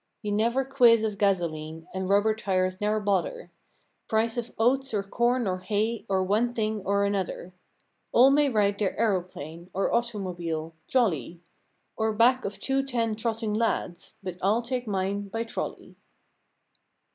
You never quiz of gasoline, And rubber tires ne'er bother; Price of oats or corn or hay Or one thing or another. All may ride their aeroplane Or automobile—jolly; Or back of two ten trotting lads, But I'll take mine by trolley.